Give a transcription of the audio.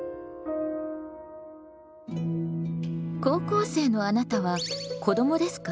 高校生のあなたは子どもですか？